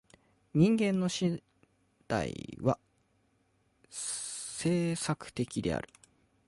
人間の身体は制作的である。